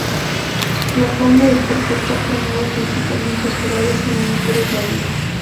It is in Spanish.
La fauna del Parque está formada principalmente por aves y mamíferos marinos.